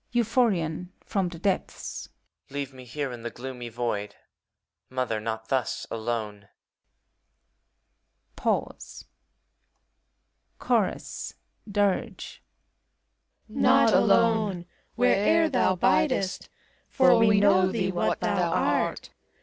BUPH(MaoN (from the <teplM). Leave me here^ in the i^oomy Void, Mother, not tiios alone! Pause. CHORUS [Dir^.] Not alone! where'er thou biifest; For we know thee what thou art.